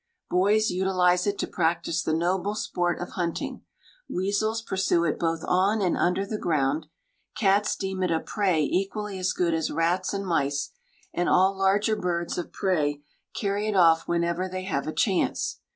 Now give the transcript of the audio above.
"Boys utilize it to practice the noble sport of hunting; weasels pursue it both on and under the ground; cats deem it a prey equally as good as rats and mice, and all larger birds of prey carry it off whenever they have a chance.